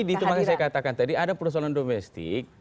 begitu itu yang saya katakan tadi ada perusahaan domestik